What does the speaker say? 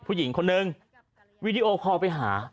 ผู้หญิงคนนึงวีดีโอคอลไปหา